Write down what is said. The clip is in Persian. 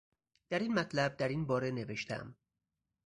در این مطلب در این باره نوشتهام